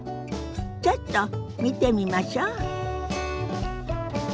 ちょっと見てみましょ。